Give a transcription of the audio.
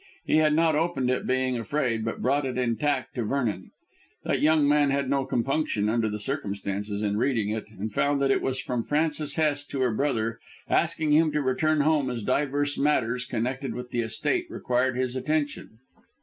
He had not opened it, being afraid, but brought it intact to Vernon. That young man had no compunction under the circumstances in reading it, and found that it was from Frances Hest to her brother asking him to return home as divers matters connected with the estate required his attention.